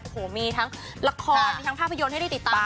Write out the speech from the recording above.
โอ้โหมีทั้งละครมีทั้งภาพยนตร์ให้ได้ติดตาม